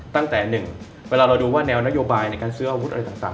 ตั้งแต่๑เวลาเราดูว่าแนวนโยบายในการซื้ออาวุธอะไรต่าง